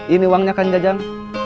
ini uangnya kang jajang